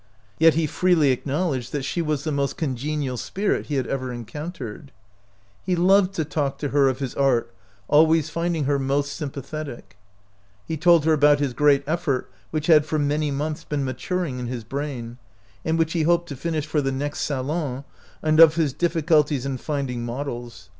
Yet he freely acknowledged that she was the 69 OUT OF BOHEMIA most congenial spirit he had ever encoun tered. He loved to talk to her of his art, always finding her most sympathetic. He told her about his great effort which had for many months been maturing in his brain, and which he hoped to finish for the next salon, and of his difficulties in finding models.